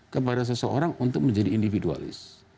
kepada seseorang untuk menjadi individualis